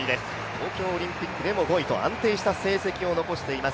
東京オリンピックでも５位と安定して成績を残しています